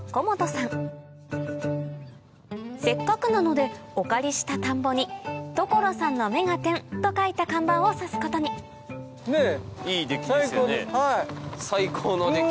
せっかくなのでお借りした田んぼに「所さんの目がテン！」と書いた看板を挿すことに最高です